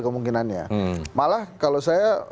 kemungkinannya malah kalau saya